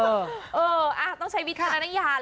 เออต้องใช้วิธีอนักยาน